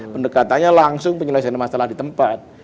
pendekatannya langsung penyelesaian masalah di tempat